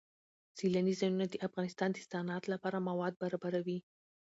سیلانی ځایونه د افغانستان د صنعت لپاره مواد برابروي.